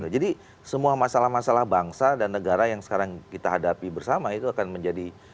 jadi semua masalah masalah bangsa dan negara yang sekarang kita hadapi bersama itu akan menjadi